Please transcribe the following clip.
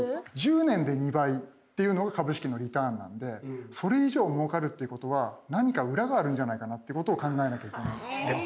１０年で２倍っていうのが株式のリターンなんでそれ以上もうかるっていうことは何か裏があるんじゃないかなっていうことを考えなきゃいけない。